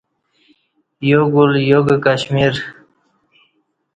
یا گُل یا کہ کشمیر